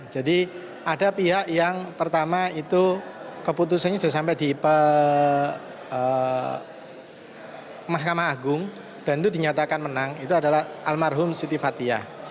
jadi ada pihak yang pertama itu keputusannya sudah sampai di mahkamah agung dan itu dinyatakan menang itu adalah almarhum siti fathia